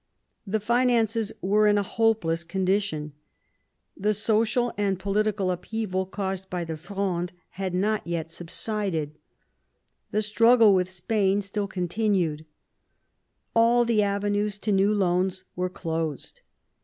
The finances were in a hopeless condition. The social and political upheaval caused by the Fronde had not yet subsided ; the struggle with Spain still continued. All the avenues to new loans were closed.